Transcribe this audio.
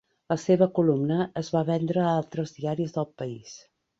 La seva columna es va vendre a altres diaris del país.